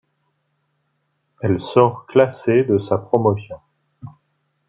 Elle sort classée de sa promotion.